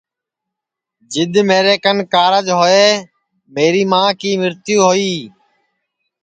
جِدؔ میرے کن کاررج ہوئے میری ماں کی مرتیو ہوئی